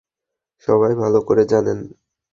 সবাই ভালো করে জানেন।